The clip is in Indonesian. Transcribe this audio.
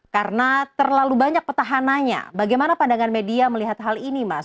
karena terlalu banyak petahananya bagaimana pandangan media melihat hal ini mas